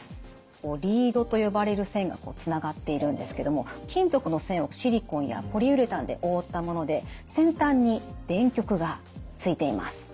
リードと呼ばれる線がつながっているんですけども金属の線をシリコンやポリウレタンで覆ったもので先端に電極がついています。